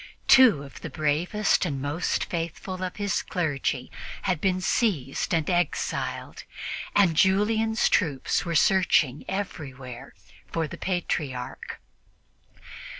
Two of the bravest and most faithful of his clergy had been seized and exiled, and Julian's troops were searching everywhere for the Patriarch.